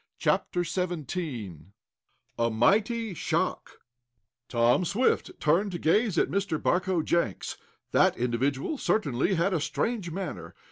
CHAPTER XVII A MIGHTY SHOCK Tom Swift turned to gaze at Mr. Barcoe Jenks. That individual certainly had a strange manner.